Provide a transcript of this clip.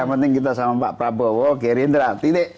yang penting kita sama pak prabowo gerindra titik